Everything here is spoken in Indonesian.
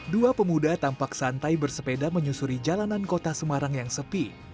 dua pemuda tampak santai bersepeda menyusuri jalanan kota semarang yang sepi